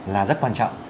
là rất quan trọng